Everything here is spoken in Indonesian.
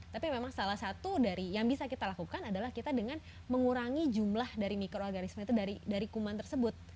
tapi memang salah satu dari yang bisa kita lakukan adalah kita dengan mengurangi jumlah dari mikroorganisme itu dari kuman tersebut